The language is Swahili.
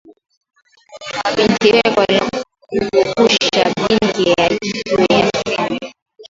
Wa binti weko na lungusha bitu juya simu